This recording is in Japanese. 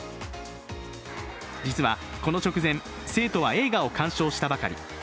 実はこの直前、生徒は映画を鑑賞したばかり。